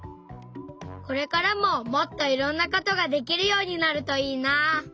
これからももっといろんなことができるようになるといいな！